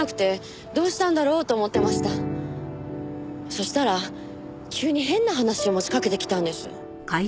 そしたら急に変な話を持ちかけてきたんです。